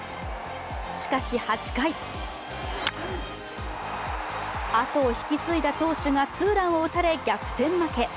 しかし、８回後を引き継いだ投手がツーラン打たれ逆転負け。